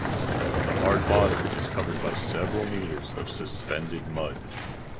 The hard bottom is covered by several meters of suspended mud.